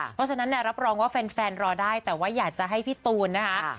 เพราะฉะนั้นเนี่ยรับรองว่าแฟนรอได้แต่ว่าอยากจะให้พี่ตูนนะคะ